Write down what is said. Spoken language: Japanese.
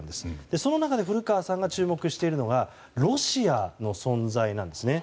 その中で古川さんが注目しているのはロシアの存在なんですね。